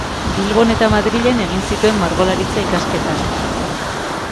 Bilbon eta Madrilen egin zituen margolaritza ikasketak.